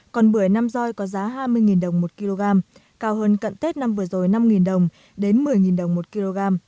còn bưởi nam roi có giá hai mươi đồng một kg cao hơn cận tết năm vừa rồi năm đồng đến một mươi đồng một kg